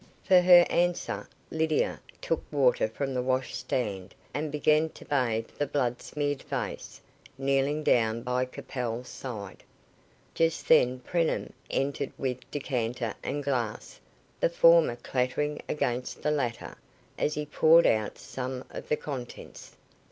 For her answer, Lydia took water from the wash stand, and began to bathe the blood smeared face, kneeling down by Capel's side. Just then Preenham entered with decanter and glass, the former clattering against the latter, as he poured out some of the contents.